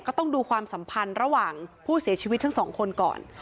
ต้องดูความสัมพันธ์ระหว่างผู้เสียชีวิตทั้งสองคนก่อน